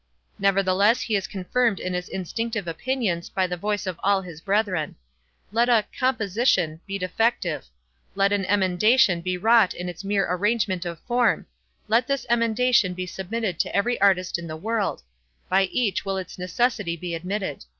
Nevertheless he is confirmed in his instinctive opinions by the voice of all his brethren. Let a "composition" be defective; let an emendation be wrought in its mere arrangement of form; let this emendation be submitted to every artist in the world; by each will its necessity be admitted.